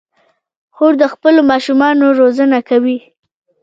خور د خپلو ماشومانو روزنه کوي.